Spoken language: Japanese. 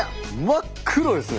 真っ黒ですね。